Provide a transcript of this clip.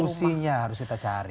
solusinya harus kita cari